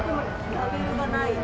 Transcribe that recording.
ラベルがない。